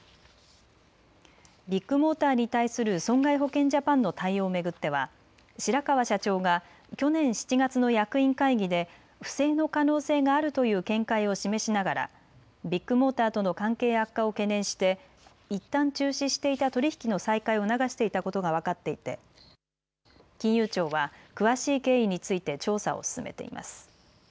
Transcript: ビッグモーターに対する損害保険ジャパンの対応を巡っては白川社長が去年７月の役員会議で不正の可能性があるという見解を示しながらビッグモーターとの関係悪化を懸念していったん中止していた取り引きの再開を促していたことが分かっていて金融庁は詳しい経緯について調査を進めています。